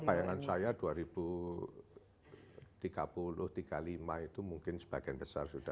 bayangan saya dua ribu tiga puluh tiga puluh lima itu mungkin sebagian besar sudah